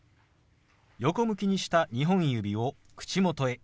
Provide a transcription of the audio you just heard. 横向きにした２本指を口元へ。